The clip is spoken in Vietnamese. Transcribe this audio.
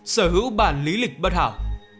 sở hữu bản lý lịch bất hảo